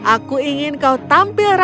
aku ingin kau tampil